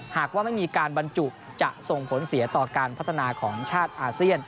หากว่าไม่มีการบรรจุจะส่งผลเสียต่อการพัฒนาของชาติอาเซียน